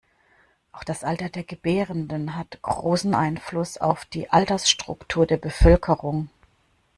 Auch das Alter der Gebärenden hat großen Einfluss auf die Altersstruktur der Bevölkerung.